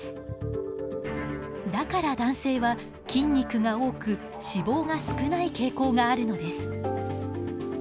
だから男性は筋肉が多く脂肪が少ない傾向があるのです。